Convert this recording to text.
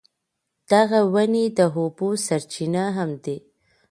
دغه ونې د اوبو سرچینه هم دي.